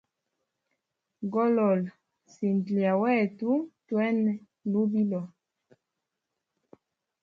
Golola sinda lya wetu twene lubilo.